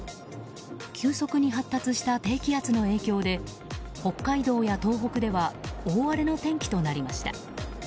急速に発達した低気圧の影響で北海道や東北では大荒れの天気となりました。